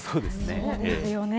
そうですよね。